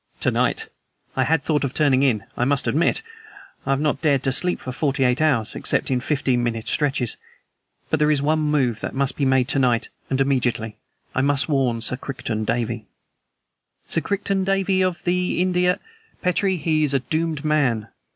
"To night! I had thought of turning in, I must admit. I have not dared to sleep for forty eight hours, except in fifteen minute stretches. But there is one move that must be made to night and immediately. I must warn Sir Crichton Davey." "Sir Crichton Davey of the India " "Petrie, he is a doomed man!